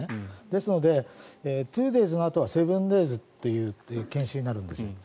ですので、２デーズのあとは７デーズという研修になるんです。